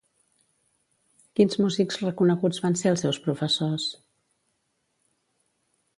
Quins músics reconeguts van ser els seus professors?